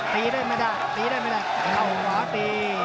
ตีได้ไม่ได้ตีได้ไม่ได้เข้าขวาตี